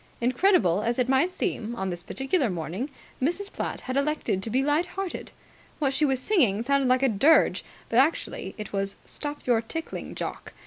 Incredible as it might seem, on this particular morning Mrs. Platt had elected to be light hearted. What she was singing sounded like a dirge, but actually it was "Stop your tickling, Jock!"